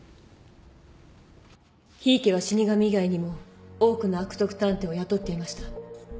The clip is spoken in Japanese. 檜池は死神以外にも多くの悪徳探偵を雇っていました。